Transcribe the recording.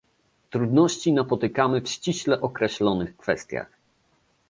Trudności napotykamy w ściśle określonych kwestiach